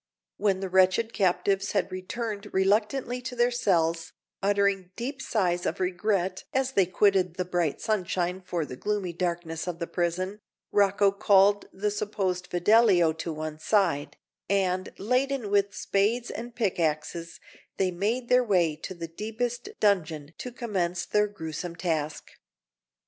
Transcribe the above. When the wretched captives had returned reluctantly to their cells, uttering deep sighs of regret as they quitted the bright sunshine for the gloomy darkness of the prison, Rocco called the supposed Fidelio to one side; and, laden with spades and pickaxes, they made their way to the deepest dungeon to commence their gruesome task.